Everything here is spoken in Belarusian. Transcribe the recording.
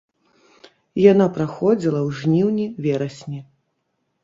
Яна праходзіла ў жніўні-верасні.